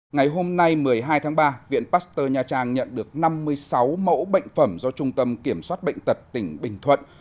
ngày hôm nay một mươi hai tháng ba viện pasteur nha trang nhận được năm mươi sáu mẫu bệnh phẩm do trung tâm kiểm soát bệnh tật tỉnh bình thuận